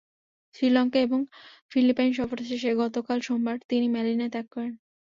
শ্রীলঙ্কা এবং ফিলিপাইন সফর শেষে গতকাল সোমবার তিনি ম্যানিলা ত্যাগ করেন।